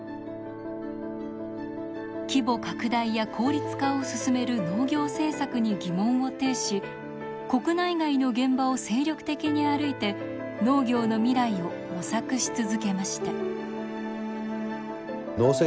規模拡大や効率化を進める農業政策に疑問を呈し国内外の現場を精力的に歩いて農業の未来を模索し続けました。